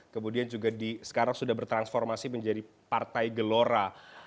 kemudian juga sekarang sudah bertransformasi menjadi partai gelora